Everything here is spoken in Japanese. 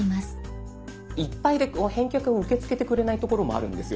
いっぱいで返却を受け付けてくれないところもあるんですよ。